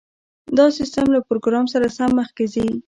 دا سیستم له پروګرام سره سم مخکې ځي